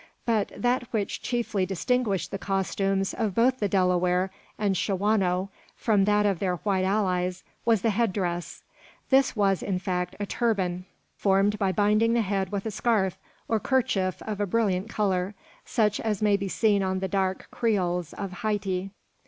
But that which chiefly distinguished the costumes of both the Delaware and Shawano from that of their white allies was the head dress. This was, in fact, a turban, formed by binding the head with a scarf or kerchief of a brilliant colour, such as may be seen on the dark Creoles of Hayti.